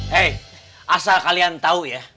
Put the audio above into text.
hei asal kalian tahu ya